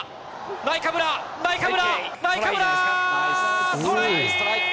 ナイカブラ、ナイカブラ、ナイカブラ、トライ！